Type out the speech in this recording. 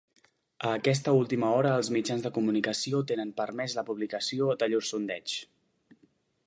A aquesta última hora els mitjans de comunicació tenen permès la publicació de llurs sondeigs.